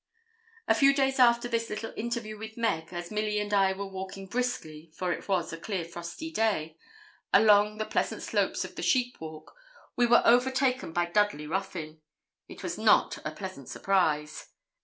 A few days after this little interview with Meg, as Milly and I were walking briskly for it was a clear frosty day along the pleasant slopes of the sheep walk, we were overtaken by Dudley Ruthyn. It was not a pleasant surprise.